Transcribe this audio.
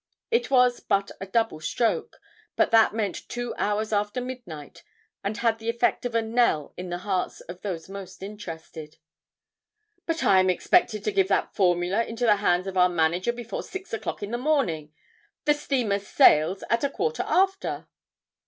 It was but a double stroke, but that meant two hours after midnight and had the effect of a knell in the hearts of those most interested. "But I am expected to give that formula into the hands of our manager before six o'clock in the morning. The steamer sails at a quarter after."